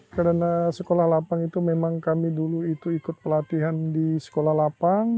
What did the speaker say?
karena sekolah lapang itu memang kami dulu itu ikut pelatihan di sekolah lapang